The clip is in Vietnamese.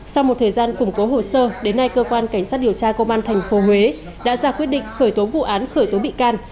sau một thời gian củng cố hồ sơ đến nay cơ quan cảnh sát điều tra công an tp huế đã ra quyết định khởi tố vụ án khởi tố bị can